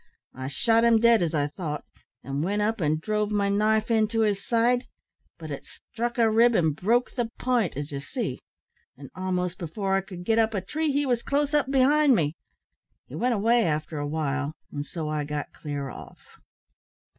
I shot him dead, as I thought, and went up and drove my knife into his side, but it struck a rib and broke the pint, as ye see; and a'most afore I could get up a tree, he wos close up behind me. He went away after a while, and so I got clear off."